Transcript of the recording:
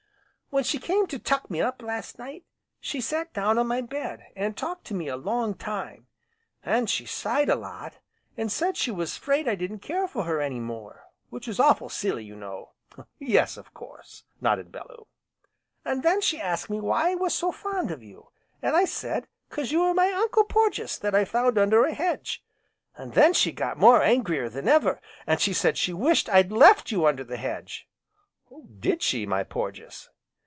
"When she came to 'tuck me up,' last night, she sat down on my bed, an' talked to me a long time. An' she sighed a lot, an' said she was 'fraid I didn't care for her any more, which was awful' silly, you know." "Yes, of course!" nodded Bellew. "An' then she asked me why I was so fond of you, an' I said 'cause you were my Uncle Porges that I found under a hedge. An' then she got more angrier than ever, an' said she wished I'd left you under the hedge " "Did she, my Porges?"